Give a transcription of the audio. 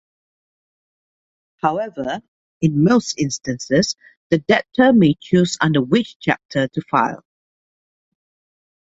However, in most instances the debtor may choose under which chapter to file.